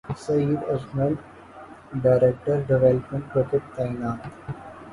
سعید Ajmal director development cricket تعینات